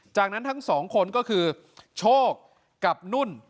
จากนั้นทั้งสองคนก็คือโชคกับนุ่น